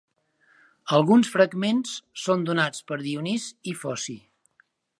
Alguns fragments són donats per Dionís i Foci.